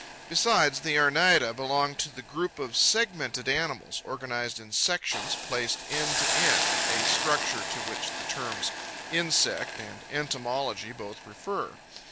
Besides, the Araneida belong to the group of segmented animals, organized in sections placed end to end, a structure to which the terms 'insect' and 'entomology' both refer.